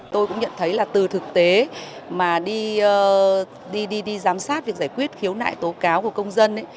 tôi cũng nhận thấy là từ thực tế mà đi giám sát việc giải quyết khiếu nại tố cáo của công dân ấy